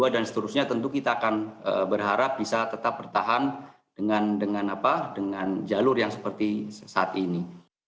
dan seterusnya tentu kita akan berharap bisa tetap bertahan dengan jalur yang seperti saat ini